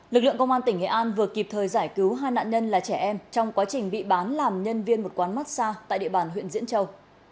lực lượng công an tỉnh nghệ an vừa kịp thời giải cứu hai nạn nhân là trẻ em trong quá trình bị bán làm nhân viên một quán massage tại địa bàn huyện diễn châu